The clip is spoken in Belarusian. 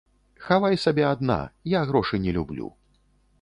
Хавай сабе адна, я грошы не люблю.